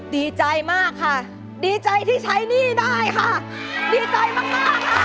ดีใจมากค่ะดีใจที่ใช้หนี้ได้ค่ะดีใจมากมาก